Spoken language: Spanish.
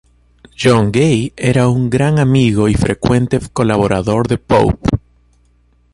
John Gay era un gran amigo y frecuente colaborador de Pope.